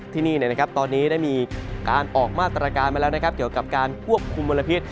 ที่นี่ตอนนี้ได้มีการออกมาตรการมาแล้วนะครับเกี่ยวกับการควบคุมมลพิษ